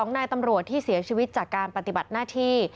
นายตำรวจที่เสียชีวิตจากการปฏิบัติหน้าที่